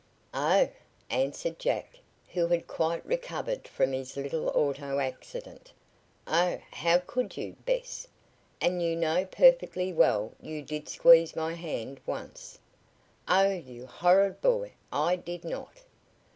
"Oh!" answered Jack, who had quite recovered from his little auto accident. "Oh! How could you Bess? And you know perfectly well you did squeeze my hand once." "Oh, you horrid boy, I did not!"